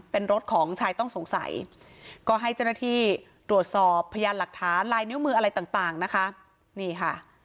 เป็นรถของชายต้องสงสัยก็ให้เจ้าหน้าที่ตรวจสอบพยานหลักฐานลายนิ้วมืออะไรต่างนะคะนี่ค่ะ